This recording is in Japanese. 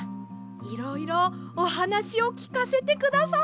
いろいろおはなしをきかせてください！